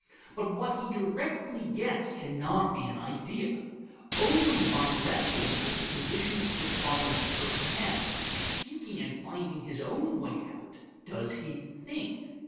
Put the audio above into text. But what he directly gets cannot be an idea. Only by wrestling with the conditions of the problem at first hand, seeking and finding his own way out, does he think.